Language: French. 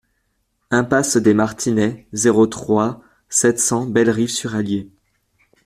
Impasse des Martinets, zéro trois, sept cents Bellerive-sur-Allier